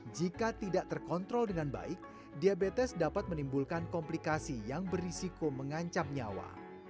jika tidak terkontrol dengan baik diabetes dapat menimbulkan komplikasi yang berisiko mengancam nyawa